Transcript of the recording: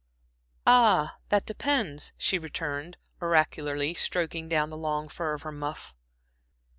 "Ah, that depends," she returned, oracularly, stroking down the long fur of her muff.